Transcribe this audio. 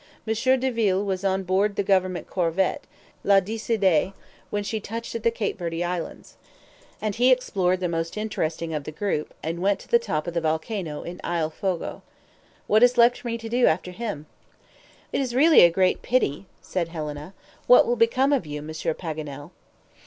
"Monsieur Deville was on board the government corvette, La Decidee, when she touched at the Cape Verde Islands, and he explored the most interesting of the group, and went to the top of the volcano in Isle Fogo. What is left for me to do after him?" "It is really a great pity," said Helena. "What will become of you, Monsieur Paganel?"